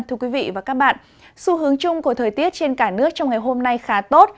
thưa quý vị và các bạn xu hướng chung của thời tiết trên cả nước trong ngày hôm nay khá tốt